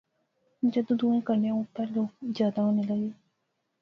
جدوں دائیں کنڈیاں اُپر لوک جادے ہونے لغے